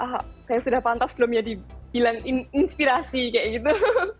ah saya sudah pantas belum ya dibilang inspirasi kayak gitu